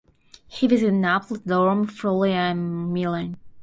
He visited Naples, Rome, Florence and Milan.